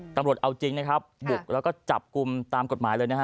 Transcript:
ตำรวจเอาจริงนะครับบุกแล้วก็จับกลุ่มตามกฎหมายเลยนะฮะ